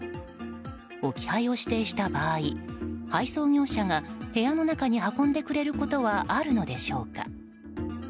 置き配を指定した場合配送業者が部屋の中に運んでくれることはあるのでしょうか。